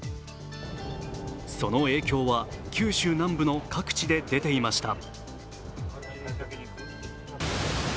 その影響は九州南部の各地で出ていました。